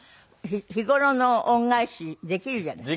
日頃の恩返しできるじゃない。